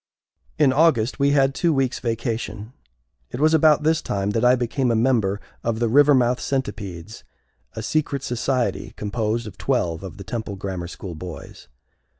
In August we had two weeks' vacation. It was about this time that I became a member of the Rivermouth Centipedes, a secret society composed of twelve of the Temple Grammar School boys.